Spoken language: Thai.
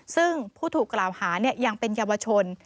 ซึ่งผู้ถูกกล่าวหายังเป็นเยาวชน